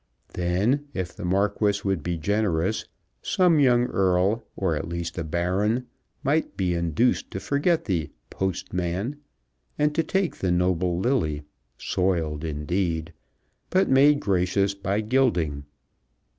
Then, if the Marquis would be generous, some young Earl, or at least a Baron, might be induced to forget the "postman," and to take the noble lily, soiled, indeed, but made gracious by gilding.